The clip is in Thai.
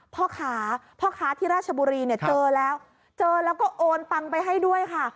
พ่อค้าพ่อค้าที่ราชบุรีเนี่ยเจอแล้วเจอแล้วก็โอนตังไปให้ด้วยค่ะ